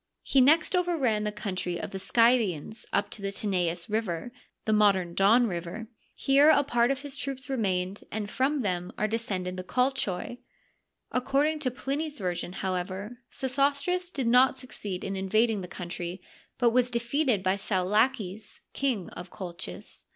He next over ran the country of the Scythians up to the Tanais River (the modem Don River f). Here a part of his troops remained, and from them are descended the Colchoi. According to Pliny's version, however, Sesostris.did not succeed in invading the country, but was defeated by Saulaces, King of Colchis.